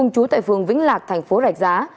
trú tại phường vĩnh lạc thành phố rạch giá